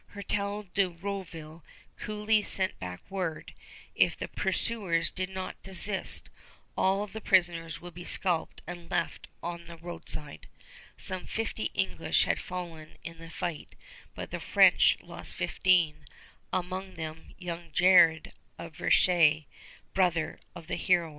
Hertel de Rouville coolly sent back word, if the pursuers did not desist, all the prisoners would be scalped and left on the roadside. Some fifty English had fallen in the fight, but the French lost fifteen, among them young Jared of Verchéres, brother of the heroine.